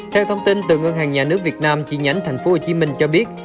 theo thông tin từ ngân hàng nhà nước việt nam chi nhánh tp hcm cho biết